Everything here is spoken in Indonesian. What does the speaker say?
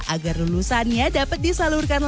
agar lulusannya dapat disalurkan